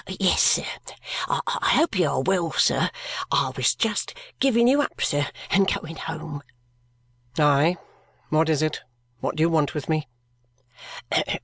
"Yes, sir. I hope you are well, sir. I was just giving you up, sir, and going home." "Aye? What is it? What do you want with me?"